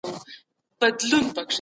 شعور انسان ته د ژوند رښتينی هدف ورکوي.